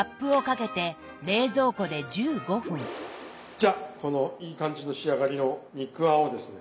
じゃあこのいい感じの仕上がりの肉餡をですね